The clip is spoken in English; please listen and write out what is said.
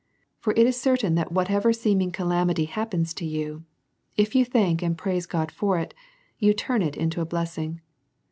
For it is cer tain, that whatever seeming calamity happens to you^ if you thank and praise God for it, you turn it into a o3 198 A SERIOUS CALL TO A blessing'.